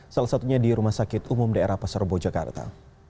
salah satunya di rumah sakit umum daerah pasar bojakarta